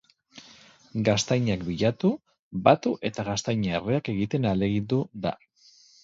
Gaztainak bilatu, batu eta gaztaina erreak egiten ahalegindu da.